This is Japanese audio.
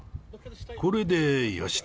これでよしと。